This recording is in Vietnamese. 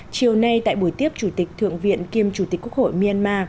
chiều nay tại buổi tiếp chủ tịch thượng viện kiêm chủ tịch quốc hội myanmar